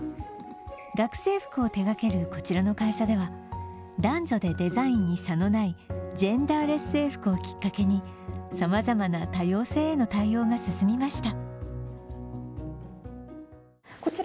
学生服を手がける、こちらの会社では男女でデザインに差のないジェンダーレス制服をきっかけにさまざまな多様性への対応が進みました。